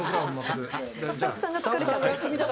「スタッフさんが疲れちゃった」